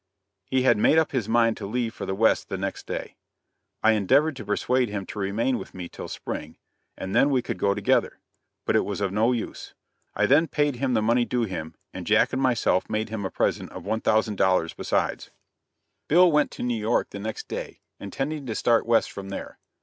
He had made up his mind to leave for the West the next day. I endeavored to persuade him to remain with me till spring, and then we would go together; but it was of no use. I then paid him the money due him, and Jack and myself made him a present of $1,000 besides. Bill went to New York the next day, intending to start west from there.